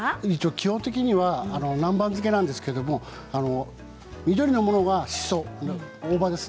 基本的には南蛮漬けなんですけれども緑のものがしそ、大葉です。